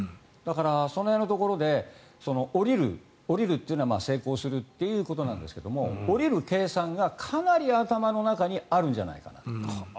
だから、その辺のところで降りるというのは成功するということですが降りる計算がかなり頭の中にあるんじゃないかなと。